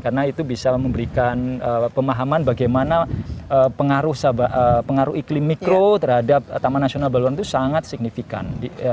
karena itu bisa memberikan pemahaman bagaimana pengaruh iklim mikro terhadap taman nasional baluran itu sangat signifikan